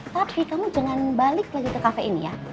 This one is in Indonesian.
tapi kamu jangan balik lagi ke kafe ini ya